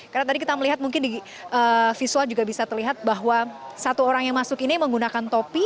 karena tadi kita melihat mungkin di visual juga bisa terlihat bahwa satu orang yang masuk ini menggunakan topi